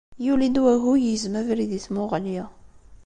Yuli-d wagu yegzem abrid i tmuɣli.